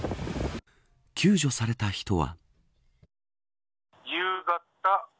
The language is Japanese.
救助された人は。